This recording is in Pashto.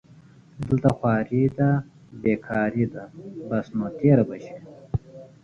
دلته خواري دې بېکاري ده بس نو تېره به شي